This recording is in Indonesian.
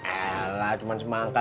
elah cuman semangkanya